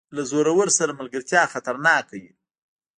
له زورور سره ملګرتیا خطرناکه وي.